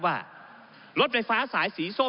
ก็ได้มีการอภิปรายในภาคของท่านประธานที่กรกครับ